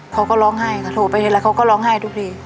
เขาก็ร้องไห้ค่ะโทรไปทีไรเขาก็ร้องไห้ทุกที